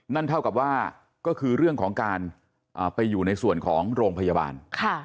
นั่นเท่ากับว่าก็คือเรื่องของการไปอยู่ในส่วนของโรงพยาบาล